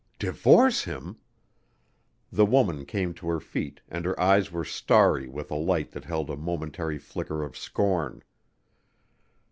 "Divorce him!" The woman came to her feet and her eyes were starry with a light that held a momentary flicker of scorn.